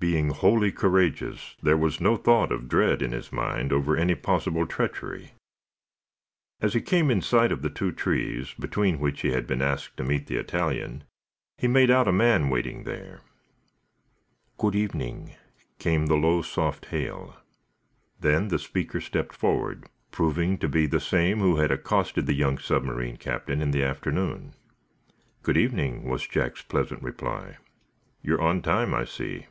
Being wholly courageous, there was no thought of dread in his mind over any possible treachery. As he came in sight of the two trees, between which he had been asked to meet the Italian, he made out a man waiting there. "Good evening," came the low, soft hail. Then the speaker stepped forward, proving to be the same who had accosted the young submarine captain in the afternoon. "Good evening," was Jack's pleasant reply. "You're on time, I see."